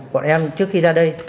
bọn em trước khi ra đây